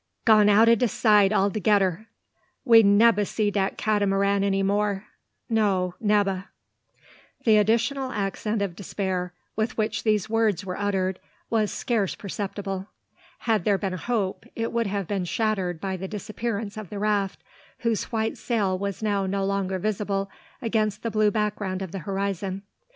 "Gone out o' de sight altogedder! We nebba see dat Catamaran any more, no, nebba!" The additional accent of despair with which these words were uttered was scarce perceptible. Had there been a hope, it would have been shattered by the disappearance of the raft, whose white sail was now no longer visible against the blue background of the horizon.